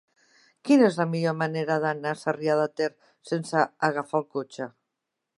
Quina és la millor manera d'anar a Sarrià de Ter sense agafar el cotxe?